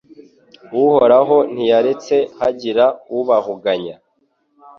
Uhoraho ntiyaretse hagira ubahuganya